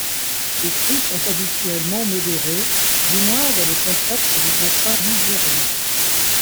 Les crues sont habituellement modérées, du moins dans le contexte du bassin ligérien.